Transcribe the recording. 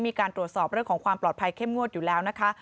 มีการตรวจสอบเรื่องของความปลอดภัยเข้มงวดอยู่แล้วนะคะ